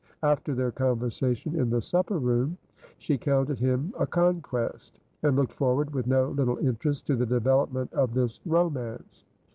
After their conversation in the supper room, she counted him a conquest, and looked forward with no little interest to the development of this romance.